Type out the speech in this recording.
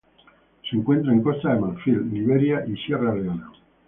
Se encuentra en Costa de Marfil, Liberia y Sierra Leona.